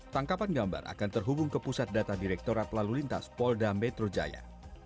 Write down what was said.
tangkapan gambar akan terhubung ke pusat data direkturat lalu lintas polda metro jaya